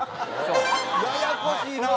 ややこしいな！